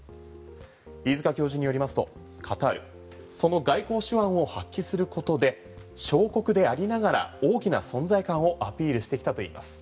飯塚教授によりますと、カタールその外交手腕を発揮することで小国でありながら大きな存在感をアピールしてきたといいます。